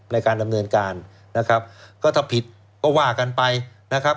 ในการดำเนินการนะครับก็ถ้าผิดก็ว่ากันไปนะครับ